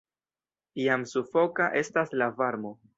Jam sufoka estas la varmo.